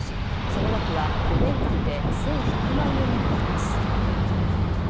その額は５年間で１１００万円に上ります。